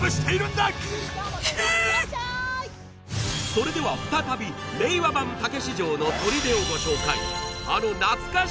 それでは再び令和版・たけし城の砦をご紹介